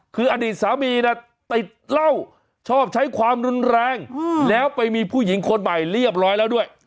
คืออดีตสามีนะติดเหล้าชอบใช้ความรุนแรงแล้วไปมีผู้หญิงคนใหม่เรียบร้อยแล้วด้วย